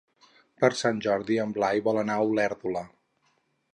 Per Sant Jordi en Blai vol anar a Olèrdola.